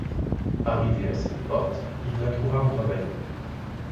Arrivé à cette porte, il la trouva entrebâillée.